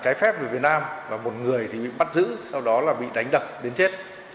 trái phép về việt nam và một người bị bắt giữ sau đó bị đánh đập đến chết